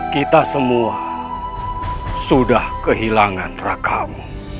kita semua sudah kehilangan raka mu